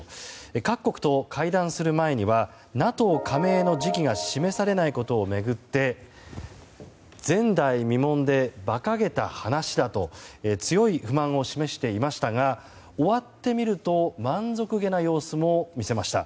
各国と会談する前にはＮＡＴＯ加盟の時期が示されないことを巡って前代未聞で馬鹿げた話だと強い不満を示していましたが終わってみると満足げな様子も見せました。